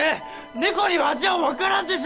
猫には味は分からんでしょ！